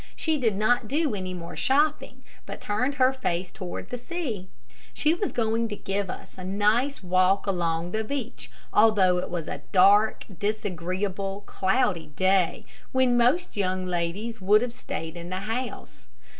She did not do any more shopping, but turned her face toward the sea. She was going to give us a nice walk along the beach, although it was a dark, disagreeable, cloudy day, when most young ladies would have stayed in the house.